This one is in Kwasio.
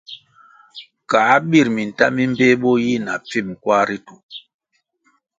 Kā birʼ minta mi mbpeh bo yi na pfim kwar ritu.